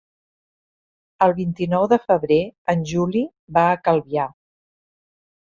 El vint-i-nou de febrer en Juli va a Calvià.